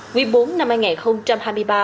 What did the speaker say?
nguyên bốn năm hai nghìn hai mươi ba